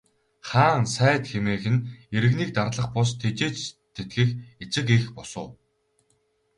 Хаан сайд хэмээх нь иргэнийг дарлах бус, тэжээж тэтгэх эцэг эх бус уу.